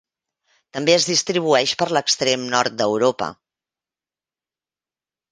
També es distribueix per l'extrem nord d'Europa.